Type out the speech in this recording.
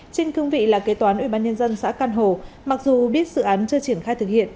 trên cương vị là kế toán ubnd xã căn hồ mặc dù biết dự án chưa triển khai thực hiện